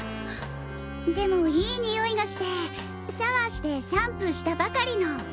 でもいい匂いがしてシャワーしてシャンプーしたばかりの。